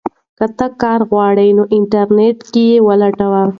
که ته کار غواړې نو انټرنیټ کې یې ولټوه.